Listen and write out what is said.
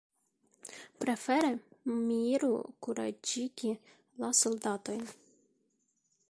Prefere mi iru kuraĝigi la soldatojn.